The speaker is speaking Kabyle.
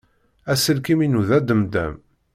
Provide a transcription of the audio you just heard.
Aselkim-inu d ademdam.